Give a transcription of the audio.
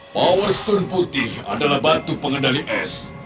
power stone putih adalah batu pengendali es